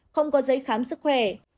không có giấy khám sức khỏe